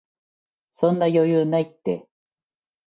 そんな余裕ないって